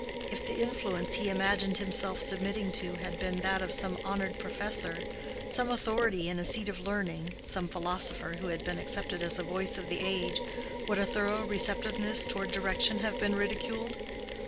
If the influence he imagined himself submitting to had been that of some honored professor, some authority in a seat of learning, some philosopher who had been accepted as a voice of the age, would a thorough receptiveness toward direction have been ridiculed?